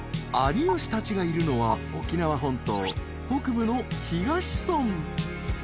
［有吉たちがいるのは沖縄本島北部の東村］